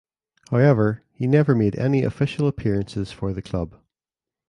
However he never made any official appearances for the club.